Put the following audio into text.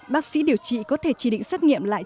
bác sĩ điều trị có thể chỉ định xét nghiệm lại